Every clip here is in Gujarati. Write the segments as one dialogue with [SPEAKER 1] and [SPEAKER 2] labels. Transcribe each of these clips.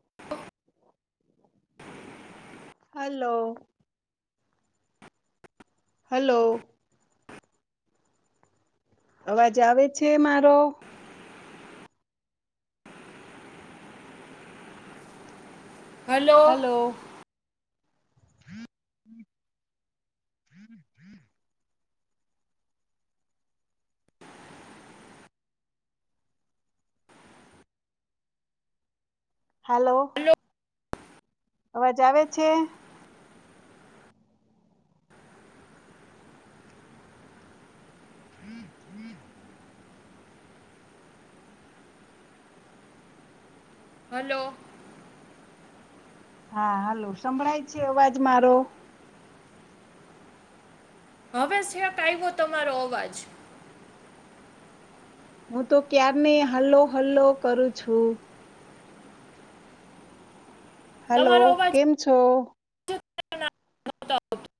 [SPEAKER 1] હ [inaudible]
[SPEAKER 2] હલો! હલો! અવાજ આવે છે મારો.
[SPEAKER 1] હલો!
[SPEAKER 2] હ [inaudible] હલો! અવાજ આવે છે? હમ હમ.. [inaudible]
[SPEAKER 1] હલો!
[SPEAKER 2] હા હાલો સંભળાય છે અવાજ મારો!
[SPEAKER 1] હવે છેક આવ્યો તમારો અવાજ.
[SPEAKER 2] હું તો ક્યાર ની હલ્લો હલ્લો કરું છું. હલો
[SPEAKER 1] તમારો અવાજ
[SPEAKER 2] કેમ છો.
[SPEAKER 1] જ ના [inaudible]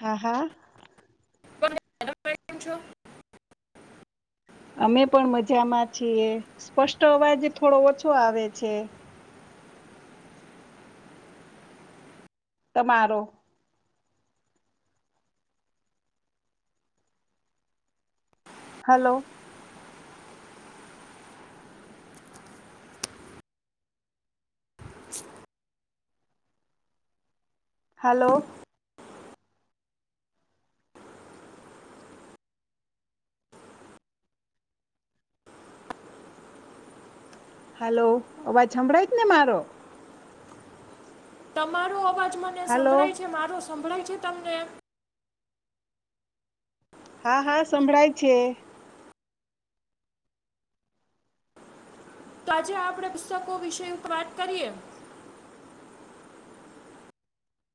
[SPEAKER 2] હા હા.
[SPEAKER 1] પણ તમે કેમ છો?
[SPEAKER 2] અમે પણ મજામાં છીએ સ્પષ્ટ અવાજ થોડો ઓછો આવે છે. તમારો.. હલો?
[SPEAKER 1] [inaudible]
[SPEAKER 2] હલો? હાલો અવાજ હંભળાય જ ને મારો.
[SPEAKER 1] તમારો અવાજ મને
[SPEAKER 2] હાલો
[SPEAKER 1] સંભળાય છે મારો સંભળાય છે તમને.
[SPEAKER 2] હા હા સંભળાય છે.
[SPEAKER 1] તો આજે આપણે પુસ્તકો વિશે વાત કરીએ.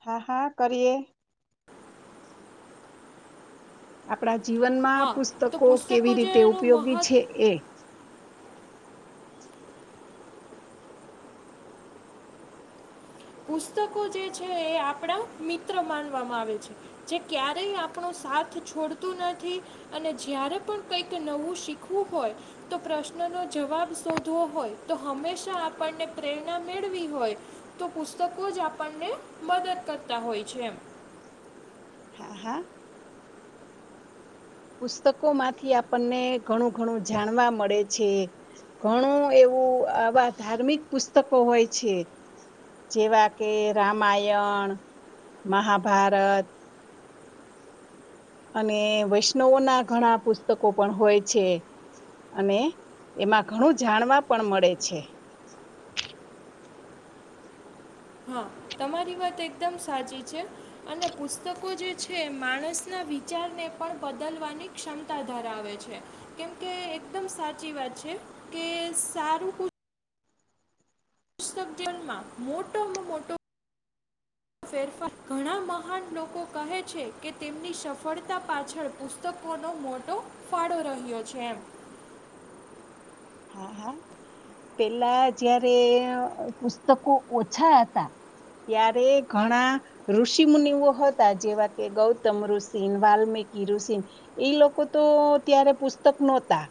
[SPEAKER 2] હા, હા કરીએ. આપણા જીવનમાં
[SPEAKER 1] હા તો
[SPEAKER 2] પુસ્તકો કેવી રીતે
[SPEAKER 1] જેનું
[SPEAKER 2] ઉપયોગી
[SPEAKER 1] મહત્વ
[SPEAKER 2] છે એ.
[SPEAKER 1] પુસ્તકો જે છે એ આપણા મિત્ર માનવામાં આવે છે. જે ક્યારેય આપણો સાથ છોડતું નથી. અને જય્યારે પણ કઈક નવું શીખવું હોય તો પ્રશ્ન નો જવાબ શોધવો હોય તો હંમેશા આપણને પ્રેરણા મેળવી હોય તો પુસ્તકો જ આપણને મદદ કરતા હોય છે.
[SPEAKER 2] હા, હા.. પુસ્તકો માંથી આપણને ઘણું ઘણું જાણવા મળે છે. ઘણું એવું આવા ધાર્મિક પુસ્તકો હોય છે. જેવા કે રામાયણ મહાભારત. અને વૈષ્ણવો ના ઘણા પુસ્તકો પણ હોય છે. અને એમાં ઘણું જાણવા પણ મળે છે.
[SPEAKER 1] હા તમારી વાત એકદમ સાચી છે. અને પુસ્તકો જે છે માણસના વિચારને પણ બદલવાની ક્ષમતા ધરાવે છે કેમ કે એકદમ સાચી વાત છે કે સારું ક [unintelligible] માં મોટોમાં મોટો ફેરફાર ઘણા મહાન લોકો કહે છે કે તેમની સફળતા પાછળ પુસ્ત તો કોનો મોટો ફાળો રહ્યો છે એમ.
[SPEAKER 2] હા હા પેલા જયારે પુસ્તકો ઓછા હતા ત્યારે ઘણા ઋષિ મુુનિઓ હતા જેવા કે ગૌતમ ઋષિન વાલ્મિકી ઋષિન એ લોકો તો ત્યારે પુસ્તક નોતા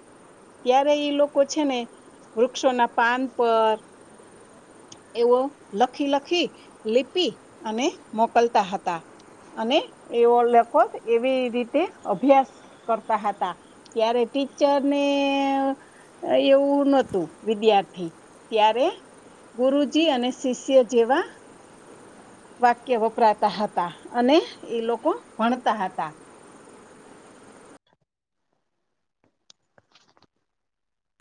[SPEAKER 2] ત્યારે એ લોકો છે ને વૃક્ષોના પાન પર એવો લખી-લખી લીપી અને મોકલતા હતા. અને એવો [unintelligible] એવી રીતે અભ્યાસ કરતા હતા ત્યારે ટીચરને એવું નોતું વિદ્યાર્થી ત્યારે ગુરુજી અને શિષ્ય જેવા વાક્ય વપરાતા હતા અને એ લોકો ભણતા હતા.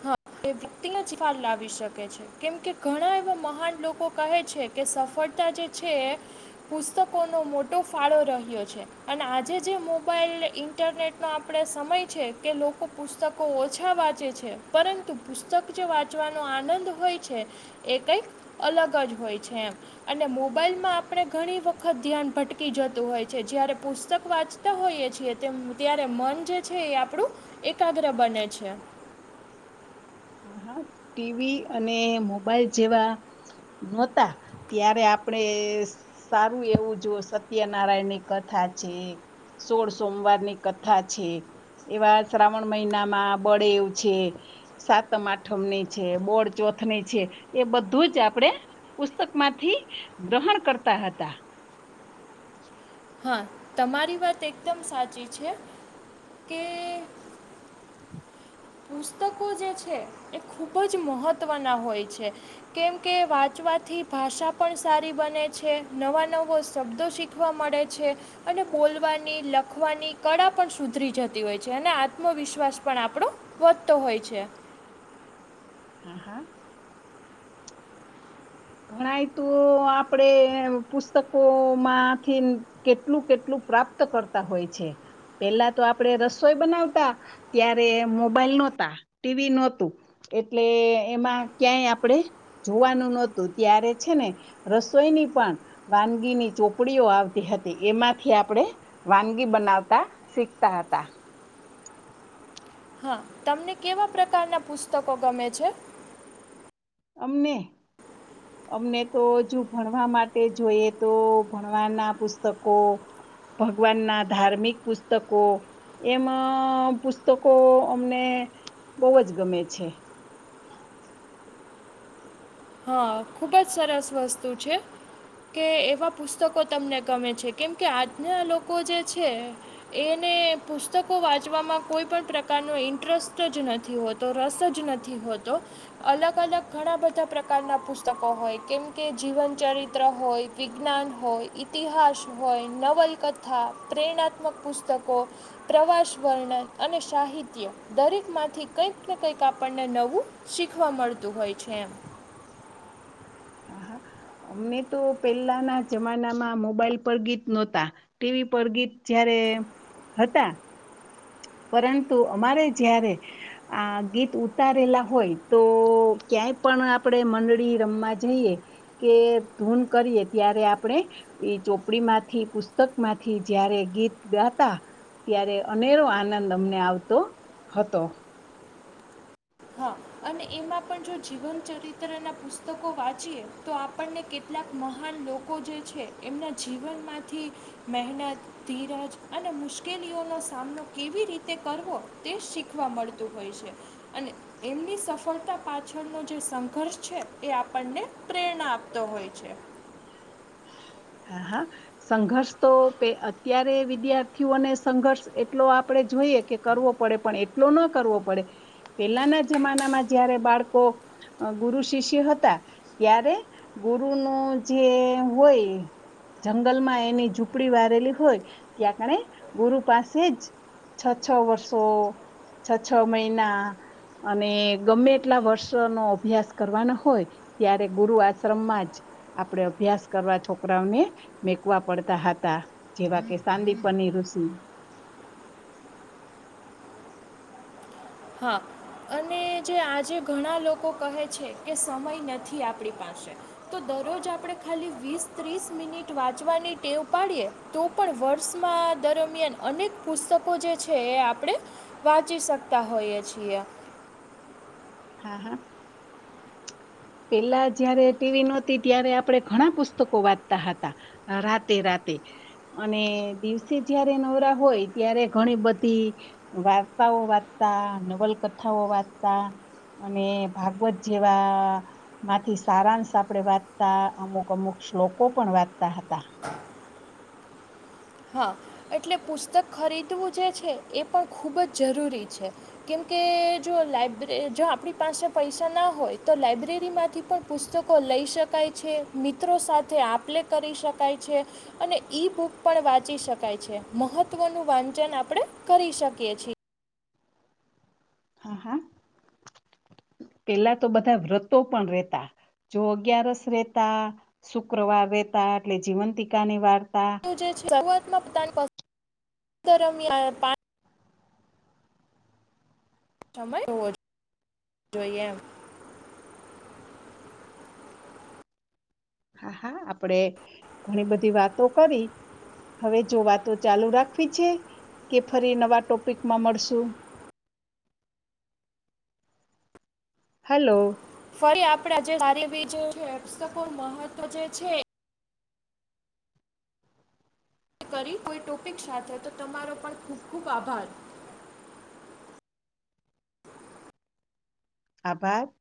[SPEAKER 1] હા એ વ્યક્તિને જફાર લાવી શકે છે. કેમ કે ઘણા એવા મહાન લોકો કહે છે કે સફળતા જે છે પુસ્તકોનો મોટો ફાળો રહ્યો છે અને આજે જે મોબાઈલ ઇન્ટરનેટનો આપણે સમય છે કે લોકો પુસ્તકો ઓછા વાંચે છે. પરંતુ પુસ્તક જે વાંચવાનો આનંદ હોય છે એ કંઈક અલગ જ હોય છે એમ. અને મોબાઈલમાં આપણે ઘણી વખત ધ્યાન ભટકી જતું હોય છે જ્યારે પુસ્તક વાંચ હોઈએ છીએ ત્યારે મન જે છે એ આપણું એકાગ્ર બને છે.
[SPEAKER 2] હ હા ટીવી અને મોબાઈલ જેવા નહોતા ત્યારે આપણેે સારું એવું જો સત્યનારાયણ ની કથા છે સોળ સોમવાર ની કથા છે. એવા શ્રાવણ મહિનામાં બળે એવું છે સાત તમ આઠમ ની છે બોડ ચોથ ની છે એ બધું જ આપણે પુસ્તક માંથી ગ્રહણ કરતા હતા.
[SPEAKER 1] હા તમારી વાત એકદમ સાચી છે કે પુસ્તકો જે છે એ ખુબ જ મહત્ત્વના હોય છે. કેમ કે વાંચવાથી ભાષા પણ સારી બને છે નવા નવો શબ્દો શીખ ઉઠવા મળે છે અને બોલવાની લખવાની કળા પણ સુધરી જતી હોય છે અને આત્મવિશ્વાસ પણ આપણો વધતો હોય છે.
[SPEAKER 2] હમ્મ હમ્મ ઘણાય તો આપડે પુસ્તકો માંથીન કેટલું કેટલું પ્રાપ્ત કરતા હોય છે. પેલા તો આપડે રસોઈ બનાવતા ત્યારે મોબાઈલ નોતા ટીવી નોતું એટલે એમાં ક્યાંય આપણેે જોવાનું નત તો ત્યારે છે ને રસોઈની પણ વાનગીની ચોપડીઓ આવતી હતી એમાંથી આપણે વાનગી બનાવતા શીખતા હતા.
[SPEAKER 1] હા તમને કેવા પ્રકારના પુસ્તકો ગમે છે?
[SPEAKER 2] અમે અમને તો જો ભણવા માટે જોઈએ તો ભણવાના પુસ્તકો ભગવાનના ધાર્મિક પુસ્તકો એમાં પુસ્તકો અમને બહુ જ ગમે છે.
[SPEAKER 1] હા, ખુબ જ સરસ વસ્તુ છે. કે એવા પુસ્તકો તમને ગમે છે, કેમ કે આજના લોકો જે છે એને પુસ્તકો વાંચવામાં કોઈ પણ પ્રકારનો ઇન્ટરસ્ટ જ નથી હોત તો રસ જ નથી હોતો. અલગ-અલગ ઘણા બધા પ્રક કાર ના પુસ્તકો હોય કેમ કે જીવન ચરિત્ર હોય, વિજ્ઞાન હોય ઇતિહાસ હોય, નવલકથા, પ્રેરણાત્મક પુસ્તકો પ્રવાસ વર્ણન અને સાહિત્ય, દરેક માંથી કંઈક ને કંઈક આપણને નવું શીખવા મળતું હોય છે એમ.
[SPEAKER 2] હા, હા અમને તો પહેલાના જમાનામાં મોબાઈલ પર ગીત નહોતા ટી વી પર ગીત જયારે હતા પરંતુ અમારે જ્યારે આ ગીત ઉતારેલા હોય તો ક્યાંય પણ આપણે મંડળી રમવા જઈએ કે ધૂન કરીએ, ત્યારે આપણે ઈ ચોપડીમાંથી, પુસ્તક માંથી જયારે ગીત ગાતા ત્યારે અનેરો આનંદ અમને આવતો હતો.
[SPEAKER 1] હા અને એમાં પણ જો જીવન ચરિત્રના પુસ્તકો વાંચીએ તો આપણને કેટ ટલાક મહાન લોકો જે છે એમના જીવનમાંથી મહેનત, ધીરજ અને મુશ્કેલીઓનો સામનો કેવી રીતે કરવો તે શીખવા મળતું હોય છે. અને એમની સ ફળતા પાછળનો જે સંઘર્ષ છે એ આપણને પ્રેરણા આપતો હોય છે.
[SPEAKER 2] હા, હા. સંઘર્ષ તો પે અત્યારે વિદ્યાર્થીઓને સંઘર્ષ એટલો આપણેે જોઈએ કે કરવો પડે પણ એટલો ન કરવો પડે. પેલાના જમાનામાં જયારે બાળકો અહ ગુરુ શિષ્ય હતા ત્યારે ગુરુ નું જે હોય જંગલમાં એની ઝૂંપડી વાળેલી હોય ત્યાં આપણે ગુરુ પાસે જ છ-છ વર્ષો, છ-છ મહિના અને ગમે એટલા વર્ષોનો અભ્યાસ કરવાનો હોય ત્યારે ગુરુ આશ્રમમાં જ આપડે અભ્યાસ કરવા થો કરાઓને મેકવા પડતા હતા, જેવા કે સાંદીપની ઋષિ
[SPEAKER 1] હા. અને જે આજે ઘણા લોકો કહે છે કે સમય નથી આપણી પાસે તો દરરોજ આપણે ખાલી વીસ, ત્રીસ મિનિટ વાંચવાની ટેવ પાડીએ તો પણ વર્ષમાં દરમિયાન અનેક પુસ્તકો જે છે એ આપણે વાંચી શકતા હોઈએ છીએ.
[SPEAKER 2] હા, હા. પેલા જયારે ટી વી નહોતી ત્યારે આપણે ઘણા પુસ્તકો વાંચતા હતા. આ રાતે-રાતે અને દિવસે જયારે નવરા હોય ત્યારે ઘણી બધી વાર્તાઓ વાંચતા, નવલકથાઓ વાંચતા અને ભાગવત જેવા માંથી સારાંશ આપડે વાંચતા અમુક અમુક શ્લોકો પણ વાંચતા હતા.
[SPEAKER 1] હા એટલે પુસ્તક ખરીદવું જે છે એ પણ ખૂબ જ જરૂરી છે. કેમકે જો લબ્રે જો આપણી પાસે પૈસા ના હોય તો લાયબ્રેરીમાંથી પણ પુસ્તકો લઈ શકાય છે, મિત્રો સાથે આપ લે કરી શકાય છે અને ઈ બુક પણ વાંચી શકાય છે, મહત્વનું વાંચન આપણે કરી શકીએ છી.
[SPEAKER 2] હા, હા. પેલા તો બધા વ્રતો પણ રહેતા. જો અગિયારસ રહેતા, શુક્રવાર રહેતા એટલે જીવંતીકાની વાર્તા
[SPEAKER 1] [unintelligible] સમય હોો જોઈએ એમ
[SPEAKER 2] હા હા આપડે ઘણી બધી વાતો કરી હવે જો વાતો ચાલુ રાખવી છે કે ફરી નવા ટોપિકમાં મળશું હલો
[SPEAKER 1] ફરી આપડા જે બી મહત્વ જે છે કરી કોઈ ટોપિક સાથે તો તમારો પણ ખૂબ ખૂબ આભાર
[SPEAKER 2] આભદ